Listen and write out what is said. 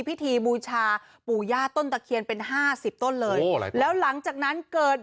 พิธีบูชาปู่ย่าต้นตะเคียนเป็นห้าสิบต้นเลยโอ้อะไรแล้วหลังจากนั้นเกิด